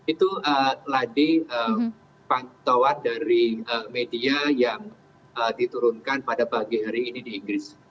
itu tadi pantauan dari media yang diturunkan pada pagi hari ini di inggris